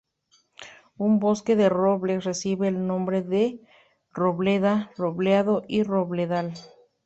Un bosque de robles recibe el nombre de robleda, robledo o robledal.